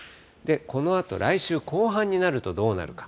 このあと、来週後半になるとどうなるか。